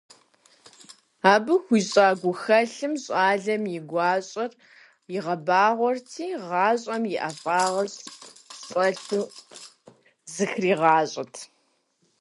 Абы хуищӏа гухэлъым щӏалэм и гуащӏэр игъэбагъуэрти, гъащӏэм ӏэфӏагъ щӏэлъу зыхригъащӏэрт.